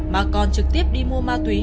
mà còn trực tiếp đi mua ma túy